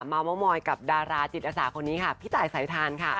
มาหมอมอยกับดาราจิตอสาคนนี้พี่แต่ย์สายทาน